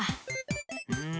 うん。